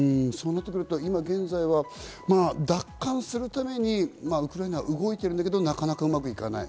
現在、奪還するためにウクライナは動いているんだけれども、なかなかうまくいかない。